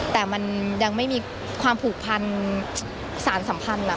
แต่มันยังไม่มีความผูกพันสารสัมพันธ์